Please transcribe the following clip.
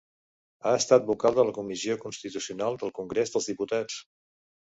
Ha estat vocal de la Comissió Constitucional del Congrés dels Diputats.